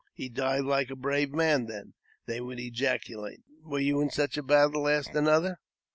*' He died like a brave man, then !" they would ejaculate " Were you in such a battle ?" asked another.